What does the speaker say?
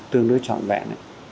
tương đối trọn vẹn